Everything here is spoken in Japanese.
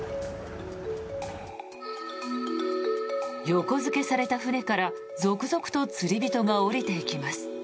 横付けされた船から続々と釣り人が下りていきます。